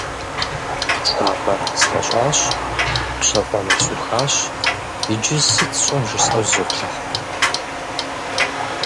Сабэр слъэщӏащ, пщэфӏэныр сухащ, иджы сыт сщӏэн жысӏэу зызоплъыхь.